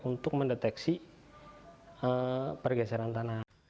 untuk mendeteksi pergeseran tanah